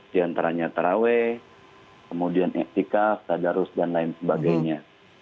di antaranya tarawih kemudian etika fadarus dan lain sebagainya